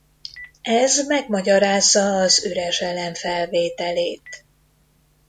Ez megmagyarázza az üres elem felvételét.